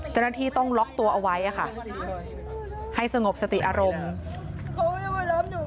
เจ้าหน้าที่ต้องล็อกตัวเอาไว้อะค่ะให้สงบสติอารมณ์โอ้ยมอยู่